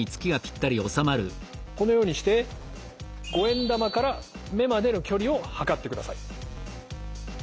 このようにして５円玉から目までの距離を測ってください。